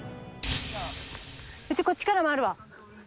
うちこっちから回るわ。